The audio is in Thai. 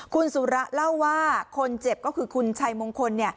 คุณสุระเล่าว่าคนเจ็บก็คือคุณชัยมงคล